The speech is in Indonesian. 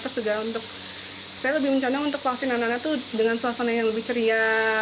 saya lebih mencanda untuk vaksin anak anak itu dengan suasana yang lebih ceria